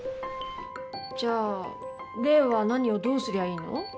じゃあ怜は何をどうすりゃいいの？